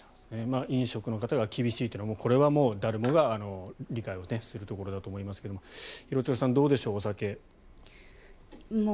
飲食の方が厳しいというのはもうこれは誰もが理解するところだと思いますが廣津留さん、どうでしょう。